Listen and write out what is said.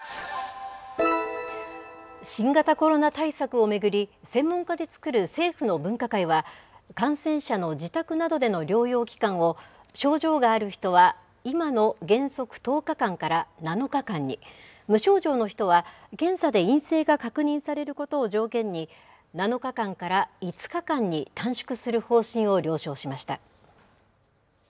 新型コロナ対策を巡り、専門家で作る政府の分科会は、感染者の自宅などでの療養期間を、症状がある人は今の原則１０日間から７日間に、無症状の人は検査で陰性が確認されることを条件に、７日間から５日間に短縮する方針を了承しました。